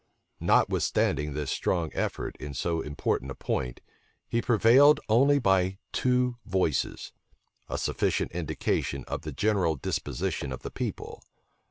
Notwithstanding this strong effort, in so important a point, he prevailed only by two voices: a sufficient indication of the general disposition of the people.